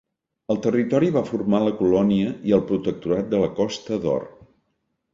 El territori va formar la colònia i el protectorat de la Costa d'Or.